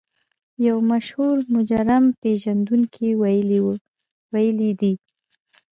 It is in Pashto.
يو مشهور مجرم پېژندونکي ويلي دي.